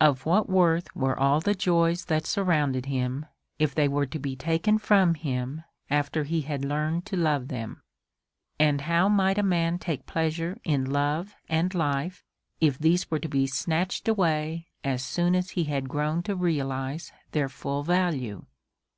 Of what worth were all the joys that surrounded him if they were to be taken from him after he had learned to love them, and how might a man take pleasure in Love and Life if these were to be snatched away as soon as he had grown to realize their full value?